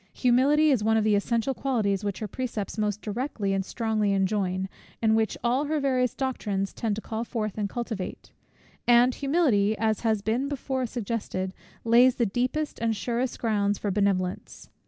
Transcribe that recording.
Humility is one of the essential qualities, which her precepts most directly and strongly enjoin, and which all her various doctrines tend to call forth and cultivate; and humility, as has been before suggested, lays the deepest and surest grounds for benevolence.